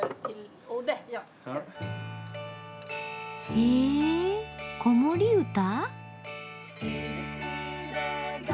へぇ子守歌？